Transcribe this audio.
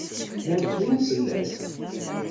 Llan ttrun fell-as.